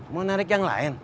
mau narik yang lain